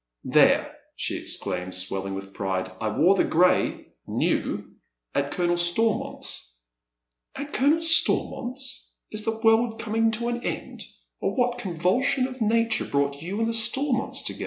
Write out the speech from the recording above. " There," she exclaims, swelling with pride, " I wore the gray —new — at Colonel Stonnont's." " At Colonel Stonnont's ! Is the world coming to an end, or what convalsiou of nature brought you and the Stonuouta together